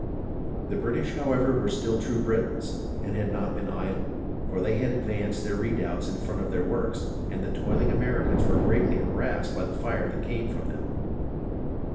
The British, however, were still true Britons, and had not been idle ; for they had advanced their redoubts in front of their works, and the toiling Americans were greatly harassed by the fire that came from them.